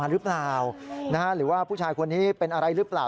หรือเปล่าหรือว่าผู้ชายคนนี้เป็นอะไรหรือเปล่า